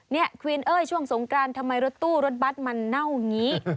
ควีนเอ้ยช่วงสงกรานทำไมรถตู้รถบัตรมันเน่าอย่างนี้